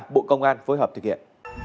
bộ công an phối hợp thực hiện